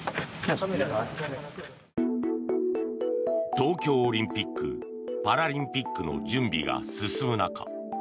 東京オリンピック・パラリンピックの準備が進む中